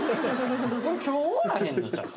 今日終わらへんのちゃう？